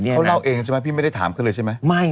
เขาเล่าเองใช่ไหมพี่ไม่ได้ถามเขาเลยใช่ไหม